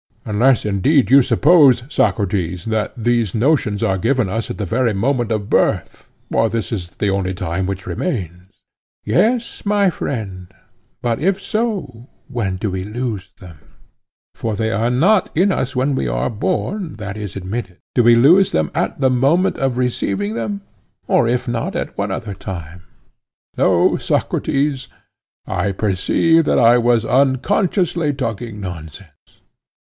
Unless indeed you suppose, Socrates, that these notions are given us at the very moment of birth; for this is the only time which remains. Yes, my friend, but if so, when do we lose them? for they are not in us when we are born—that is admitted. Do we lose them at the moment of receiving them, or if not at what other time? No, Socrates, I perceive that I was unconsciously talking nonsense.